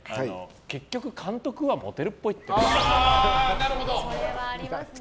結局、監督はモテるっぽい。